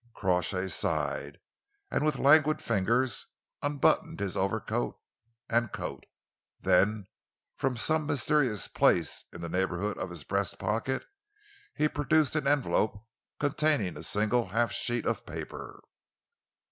Crawshay sighed, and with languid fingers unbuttoned his overcoat and coat. Then, from some mysterious place in the neighbourhood of his breast pocket, he produced an envelope containing a single half sheet of paper.